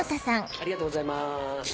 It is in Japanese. ありがとうございます。